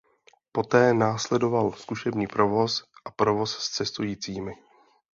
Poté následoval zkušební provoz a provoz s cestujícími.